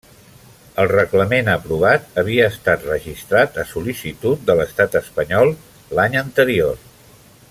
El reglament aprovat havia estat registrat a sol·licitud de l'estat espanyol l'any anterior.